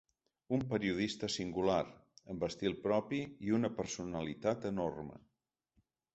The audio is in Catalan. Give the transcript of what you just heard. Un periodista singular, amb estil propi i una personalitat enorme.